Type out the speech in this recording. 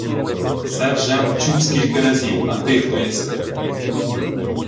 — Се вже-м чув скільки разів. А ти хто єси?